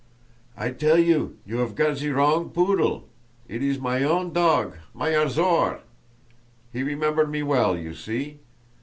"I tell you, you 'ave got ze wrong poodle—it is my own dog, my Azor! He remember me well, you see?